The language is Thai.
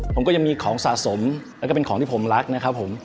ผมก็ยังมีของสะสมแล้วก็เป็นของที่ผมรักนะครับผม